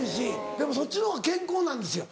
でもそっちの方が健康なんですよ。